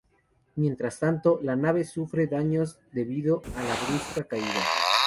Mientras tanto, la nave sufre daños debido a la brusca caída.